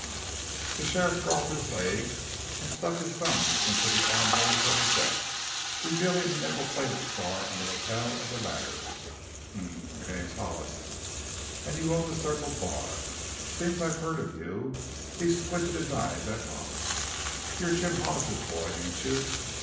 The sheriff crossed his legs and stuck his thumbs into the arm holes of his vest, revealing a nickle plated star on the lapel of the latter. "H'm. Your name's Hollis, an' you own the Circle Bar. Seems I've heard of you." He squinted his eyes at Hollis. "You're Jim Hollis's boy, ain't you?"